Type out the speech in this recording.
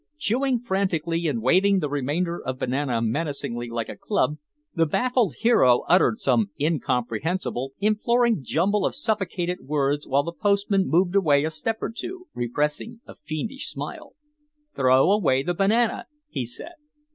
Chewing frantically and waving the remainder of banana menacingly like a club, the baffled hero uttered some incomprehensible, imploring jumble of suffocated words while the postman moved away a step or two, repressing a fiendish smile. "Throw away the banana," he said.